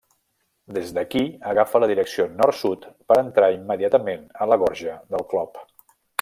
Des d'aquí agafa la direcció nord-sud per entrar immediatament a la Gorja del Clop.